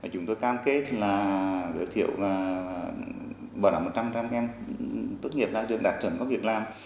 chúng tôi cam kết là giới thiệu bảo đảm một trăm linh trang ngang tốt nghiệp là trường đạt trần có việc làm